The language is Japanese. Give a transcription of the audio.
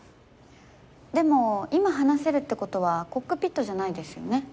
でも今話せるって事はコックピットじゃないですよね？